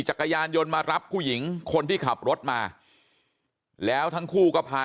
จักรยานยนต์มารับผู้หญิงคนที่ขับรถมาแล้วทั้งคู่ก็พา